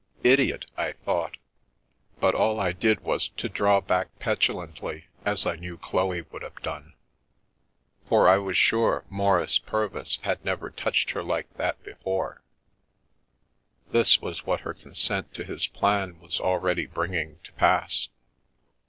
Idiot 1 " I thought, but all I did was to draw back petulantly, as I knew Chloe would have done — for I was sure Maurice Purvis had never touched her like that before — this was what her consent to his plan was al ready bringing to pass.